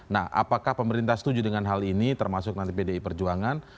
nah apakah pemerintah setuju dengan hal ini termasuk nanti pdi perjuangan